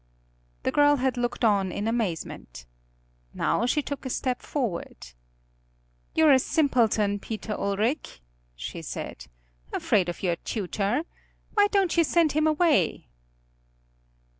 The girl had looked on in amazement. Now she took a step forward. "You're a simpleton, Peter Ulric," she said. "Afraid of your tutor. Why don't you send him away?"